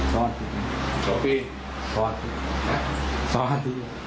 สอนสอน